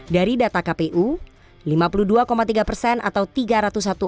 dari data kpu lima puluh dua tiga persen atau tiga ratus satu persen